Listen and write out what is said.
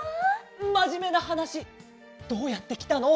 まじめなはなしどうやってきたの？